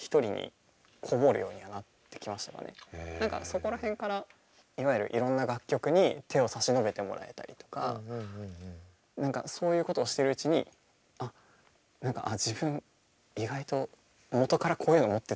何かそこら辺からいわゆるいろんな楽曲に手を差し伸べてもらえたりとか何かそういうことをしてるうちにあっ自分意外と元からこういうの持ってたんだなみたいな。